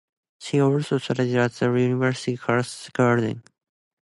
She also studied at the Universidad Casa Grande.